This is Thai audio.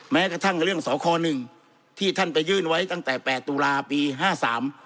แม้กระทั่งเรื่องสอคอหนึ่งที่ท่านไปยื่นไว้ตั้งแต่แปดตุลาปีห้าสาม